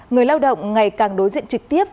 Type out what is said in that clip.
người lao động ngày càng đối diện trực tiếp